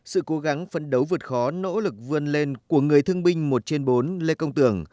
sự cố gắng phấn đấu vượt khó nỗ lực vươn lên của người thương minh một trên bốn lê cung tượng